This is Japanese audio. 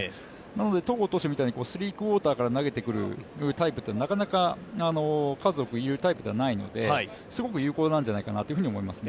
なので戸郷選手のようにスリークオーターから投げてくるタイプというのはなかなか数多くいるタイプではないので、すごく有効なんじゃないかなと思います。